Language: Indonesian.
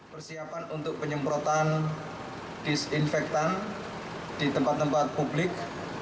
persiapan untuk penyemprotan disinfektan di tempat tempat publik